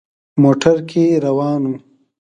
موټر کې روان وو.